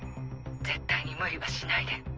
絶対に無理はしないで。